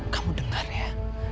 kamu dengar ya